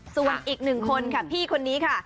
ส่วนอีก๑คนค่ะพี่คนนี้ค่ะ